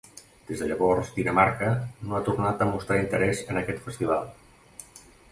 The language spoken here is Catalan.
Des de llavors, Dinamarca no ha tornat a mostrar interès en aquest festival.